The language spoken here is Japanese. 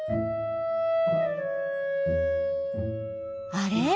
あれ？